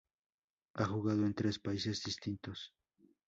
Ha jugado en tres países distintos.